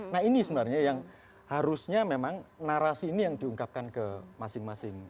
nah ini sebenarnya yang harusnya memang narasi ini yang diungkapkan ke masing masing